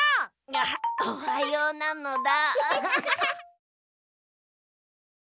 アハッおはようなのだ。